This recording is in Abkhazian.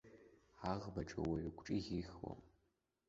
Аӷбаҿы уаҩ гәҿыӷь ихьуам.